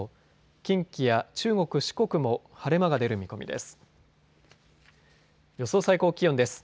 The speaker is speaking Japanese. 近畿や中国、四国も晴れ間が出る見込みです。